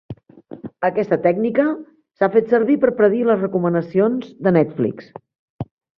Aquesta tècnica s'ha fet servir per predir les recomanacions de Netflix.